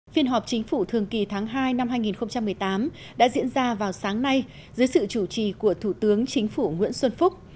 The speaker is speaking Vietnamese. phiên họp chính phủ thường kỳ tháng hai năm hai nghìn một mươi tám đã diễn ra vào sáng nay dưới sự chủ trì của thủ tướng chính phủ nguyễn xuân phúc